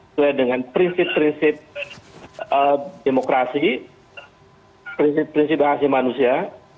sesuai dengan prinsip prinsip demokrasi prinsip prinsip bahasa manusia